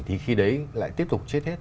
thì khi đấy lại tiếp tục chết hết